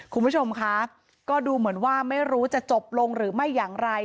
คุณผู้ชมคะก็ดูเหมือนว่าไม่รู้จะจบลงหรือไม่อย่างไร